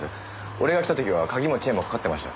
俺が来た時は鍵もチェーンもかかってましたよ。